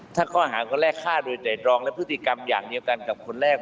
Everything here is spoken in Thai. ถ้าข้อหาคนแรกฆ่าโดยแต่รองและพฤติกรรมอย่างเดียวกันกับคนแรก